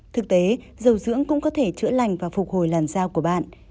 thực tế dầu dưỡng cũng có thể chữa lành và phục hồi làn da của bạn